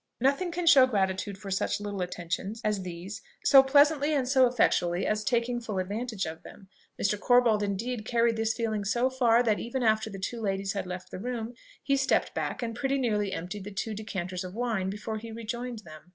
Nothing can show gratitude for such little attentions as these so pleasantly and so effectually as taking full advantage of them. Mr. Corbold indeed carried this feeling so far, that even after the two ladies had left the room, he stepped back and pretty nearly emptied the two decanters of wine before he rejoined them.